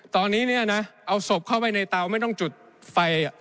ตอนนี้เนี่ยนะเอาศพเข้าไปในเตาไม่ต้องจุดไฟ